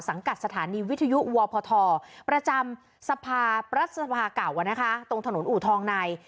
สังกัดสถานีวิทยุอัวพทประจำสภาประสภาเก่าตรงถนนอู่ทองใน